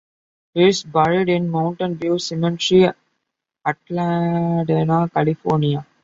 He is buried in Mountain View Cemetery, Altadena, California.